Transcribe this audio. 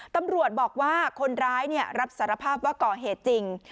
ตำรวจบอกว่าคนร้ายรับสารภาพว่าก่อเหตุจริง